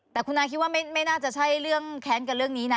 แต่คุณอาคิดว่าไม่น่าจะใช่เรื่องแค้นกันเรื่องนี้นะ